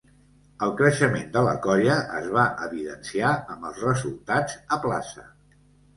El creixement de la colla es va evidenciar amb els resultats a plaça.